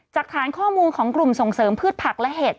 จากฐานข้อมูลของกลุ่มส่งเสริมพืชผักและเห็ด